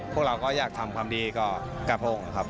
พวกเราก็อยากทำความดีกับพระองค์ครับ